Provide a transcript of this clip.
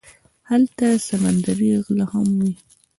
هلته سمندري غله هم وي.